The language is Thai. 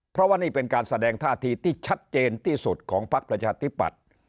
เพราะว่านี่เป็นการแสดงท่าทีที่ชัดเจนที่สุดของพักประชาธิปัตย์